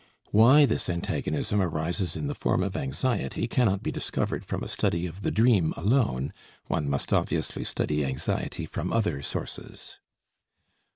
Why this antagonism arises in the form of anxiety cannot be discovered from a study of the dream alone; one must obviously study anxiety from other sources.